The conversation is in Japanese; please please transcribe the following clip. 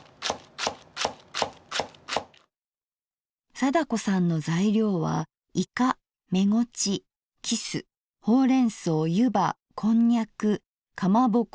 貞子さんの材料はいかめごちきすほうれん草ゆばコンニャクかまぼこ